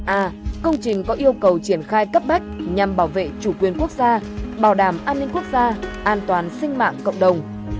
a công trình có yêu cầu triển khai cấp bách nhằm bảo vệ chủ quyền quốc gia bảo đảm an ninh quốc gia an toàn sinh mạng cộng đồng